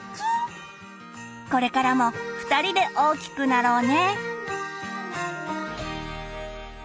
これからも２人で大きくなろうね！